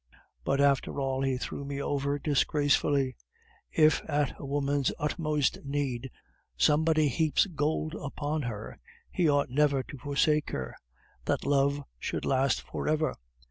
But, after all, he threw me over disgracefully. If, at a woman's utmost need, somebody heaps gold upon her, he ought never to forsake her; that love should last for ever!